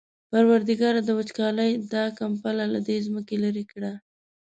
پروردګاره د وچکالۍ دا کمپله له دې ځمکې لېرې کړه.